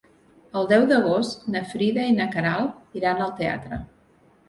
El deu d'agost na Frida i na Queralt iran al teatre.